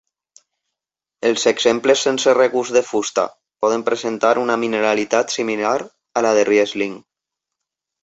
Els exemples sense regust de fusta poden presentar una mineralitat similar a la de Riesling.